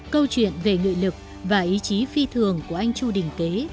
câu chuyện về nghị lực và ý chí phi thường của anh chu đình kế